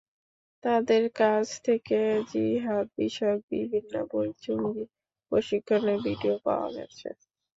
তাঁদের কাছ থেকে জিহাদবিষয়ক বিভিন্ন বই, জঙ্গি প্রশিক্ষণের ভিডিও পাওয়া গেছে।